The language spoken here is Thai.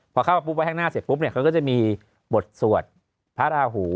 พอเข้าปุ๊บไว้ข้างหน้าเสร็จปุ๊บเนี่ยเขาก็จะมีบทสวดพระราหู